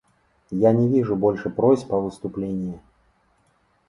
Я не вижу больше просьб о выступлении.